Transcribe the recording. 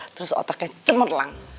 terus otaknya cemerlang